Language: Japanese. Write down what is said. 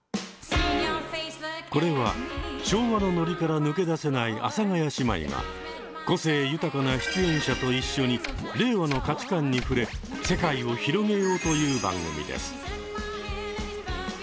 これは昭和のノリから抜け出せない阿佐ヶ谷姉妹が個性豊かな出演者と一緒に令和の価値観に触れ世界を広げようという番組です。